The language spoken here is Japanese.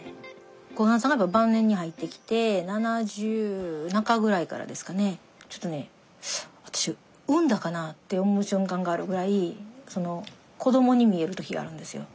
小雁さんが晩年に入ってきて７０中ぐらいからですかねちょっとね私産んだかなって思う瞬間があるぐらい子どもに見える時があるんですよ。